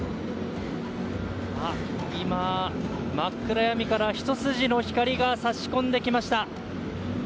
今、真っ暗闇からひと筋の光が差し込んできました。